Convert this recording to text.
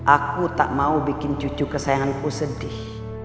aku tak mau bikin cucu kesayanganku sedih